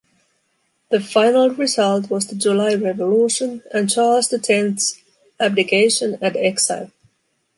The final result was the July Revolution and Charles the Tenth's abdication and exile.